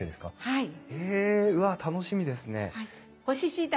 はい。